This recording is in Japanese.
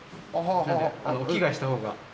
なのでお着替えした方が。